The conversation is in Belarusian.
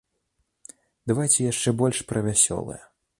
Давайце яшчэ больш пра вясёлае.